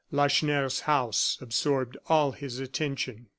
Lacheneur's house absorbed all his attention.